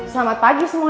selamat pagi semuanya